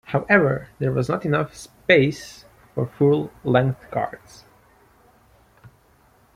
However, there was not enough space for full-length cards.